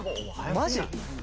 マジ？